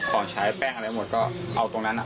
ก็ต้องมีของตัวเนื้อมาซื้อกินแกนเลย